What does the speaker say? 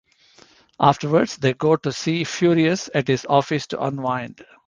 Afterwards, they go to see Furious at his office to unwind.